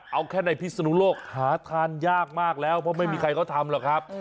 เอาแค่ในพิศนุโลกหาทานยากมากแล้วเพราะไม่มีใครเขาทำหรอกครับ